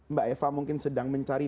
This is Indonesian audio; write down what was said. mbak eva mungkin sedang mencari